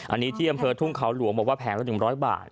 อันนี้ที่อำเภอทุ่งเขาหลวงบอกว่าแผงละ๑๐๐บาท